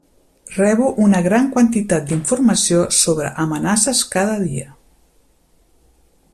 Rebo una gran quantitat d'informació sobre amenaces cada dia.